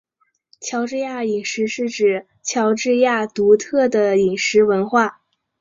乔治亚饮食是指乔治亚独特的饮食文化。